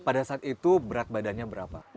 pada saat itu berat badannya berapa